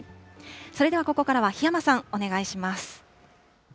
それではここからは檜山さん、お願いします。